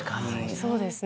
そうですね。